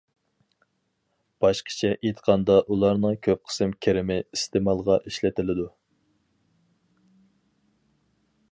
باشقىچە ئېيتقاندا ئۇلارنىڭ كۆپ قىسىم كىرىمى ئىستېمالغا ئىشلىتىلىدۇ.